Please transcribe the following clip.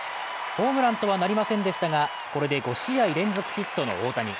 ホームランとはなりませんでしたがこれで５試合連続ヒットの大谷。